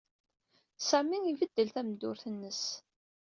Sami ibeddel tameddurt-nnes.